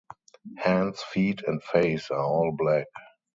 Hands, feet, and face are all black.